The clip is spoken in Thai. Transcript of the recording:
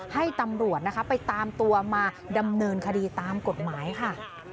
ให้ตำรวจนะคะไปตามตัวมาดำเนินคดีตามกฎหมายค่ะ